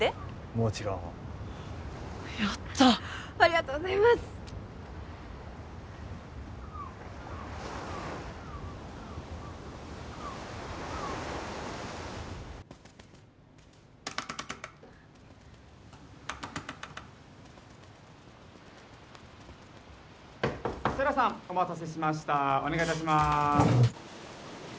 もちろんやったありがとうございますっセイラさんお待たせしましたお願いいたしまーす